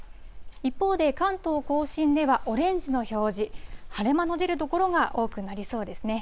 一方で関東甲信ではオレンジの表示、晴れ間の出る所が多くなりそうですね。